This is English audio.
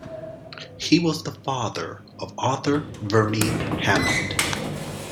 He was the father of Arthur Verney Hammond.